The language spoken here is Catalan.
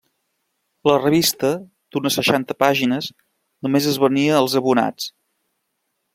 La revista, d'unes seixanta pàgines, només es venia als abonats.